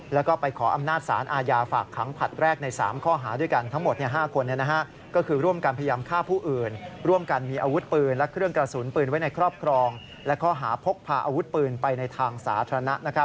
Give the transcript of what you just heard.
และเขาหาพกพาอาวุธปืนไปในทางสาล